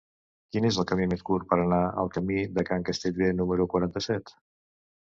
Quin és el camí més curt per anar al camí de Can Castellví número quaranta-set?